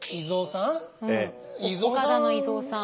岡田の以蔵さん。